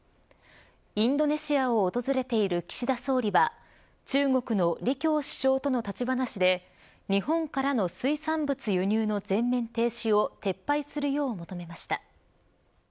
インドネシアを訪れている岸田総理は中国の李強首相との立ち話で日本からの水産物輸入の全面停止を撤廃するよう求めました。